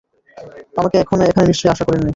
আমাকে এখানে নিশ্চয়ই আশা করেননি।